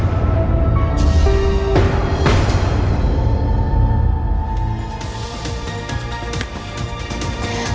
ข่าวนี้เป็นรายละเอียด